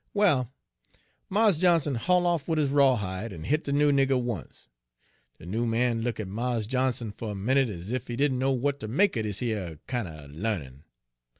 "Well, Mars Johnson haul' off wid his rawhide en hit de noo nigger once. De noo man look' at Mars Johnson fer a minute ez ef he didn' know w'at ter make er dis yer kin' er l'arnin'.